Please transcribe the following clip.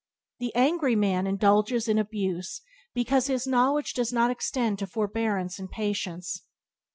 The angry man indulgence in raillery and abuse because his knowledge does not extend to forbearance and patience.